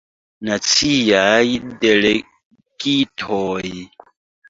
Naciaj Delegitoj.